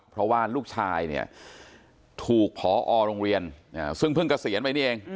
เพราะว่าลูกชายเนี่ยถูกพอโรงเรียนซึ่งเพิ่งเกษียณไปนี่เอง